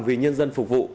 vì nhân dân phục vụ